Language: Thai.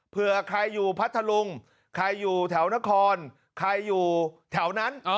เผื่อใครอยู่พัทธลุงใครอยู่แถวนครใครอยู่แถวนั้น